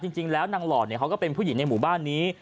จริงแล้วนางหลอดเขาก็เป็นผู้หญิงในหมู่บ้านนี้